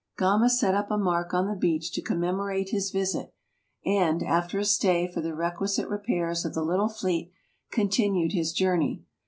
Gama set up a mark on the beach to commemorate his visit, and, after a stay for the requisite repairs of the little fleet, continued his journey.